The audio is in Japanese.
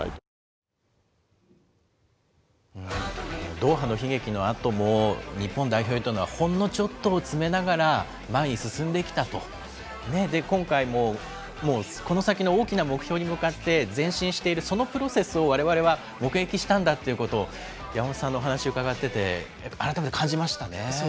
ドーハの悲劇のあとも、日本代表というのは、ほんのちょっとを詰めながら前に進んできたと、今回もこの先の大きな目標に向かって、前進している、そのプロセスをわれわれは目撃したんだということを山本さんのお話伺ってて、改めて感じましたね。